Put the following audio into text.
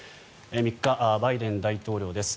３日、バイデン大統領です。